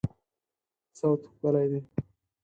صوت ښکلی دی